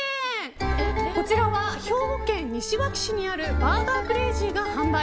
こちらは、兵庫県西脇市にあるバーガークレイジーが販売。